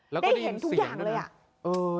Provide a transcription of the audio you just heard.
ได้เห็นทุกอย่างเลยอ่ะ